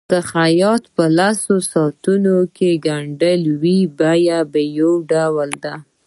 که خیاط په لسو ساعتونو کې ګنډلي وي بیه یو ډول ده.